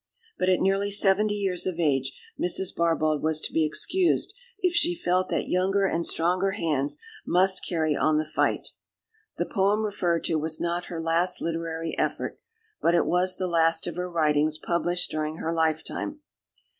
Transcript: But at nearly seventy years of age Mrs. Barbauld was to be excused if she felt that younger and stronger hands must carry on the fight. The poem referred to was not her last literary effort, but it was the last of her writings published during her lifetime.